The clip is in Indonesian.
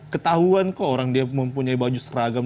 ketahuan kok orang dia mempunyai baju seragam